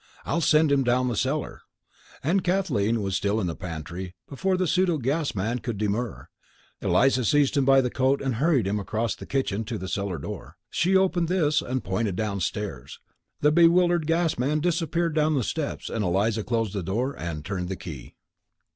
I'll send him down the cellar." And while Kathleen was still in the pantry and before the pseudo gas man could demur, Eliza seized him by the coat and hurried him across the kitchen to the cellar door. She opened this and pointed downstairs. The bewildered gas man disappeared down the steps and Eliza closed the door and turned the key.